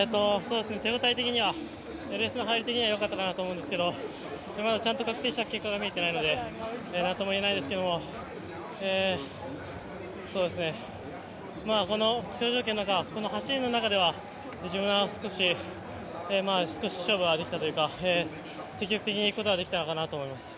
手応え的には、レース配分的にはよかったと思うんですけどちゃんと確定した結果が見えてないのでなんともいえないですけどこの気象条件の中、走りでは自分は少し勝負ができたというか、積極的にいくことができたのかなと思います。